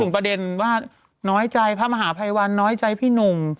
ประเด็นว่าน้อยใจพระมหาภัยวันน้อยใจพี่หนุ่ม